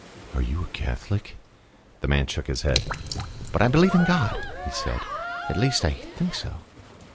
"Are you a Catholic?" The man shook his head. "But I believe in God," he said. "At least, I think so."